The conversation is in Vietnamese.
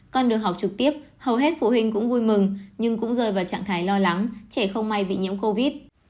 con được học trực tiếp hầu hết phụ huynh cũng vui mừng nhưng cũng rơi vào trạng thái lo lắng trẻ không may bị nhiễm covid